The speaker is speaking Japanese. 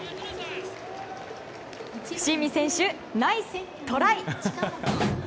伏見選手、ナイストライ！